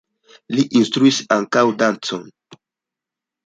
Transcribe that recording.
Li instruis ankaŭ dancon.